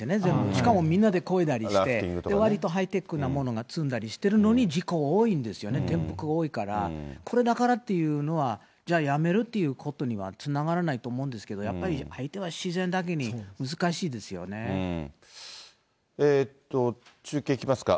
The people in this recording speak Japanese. しかもみんなでこいだりして、わりとハイテックなものが積んだりしてるのに事故多いんですよね、転覆が多いから、これだからっていうのは、じゃあやめるってことにはつながらないと思うんですけれども、やっぱり相手は自然だけ中継いきますか。